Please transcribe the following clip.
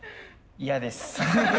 嫌です。